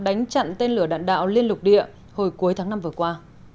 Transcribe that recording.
đánh chặn tên lửa đạn đạo liên lục địa hồi cuối tháng năm vừa qua